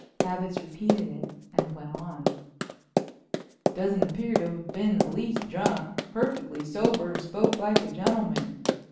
Babbitts repeated it and went on: "Doesn't appear to have been in the least drunk—perfectly sober and spoke like a gentleman.